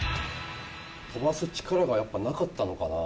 飛ばす力がやっぱなかったのかな？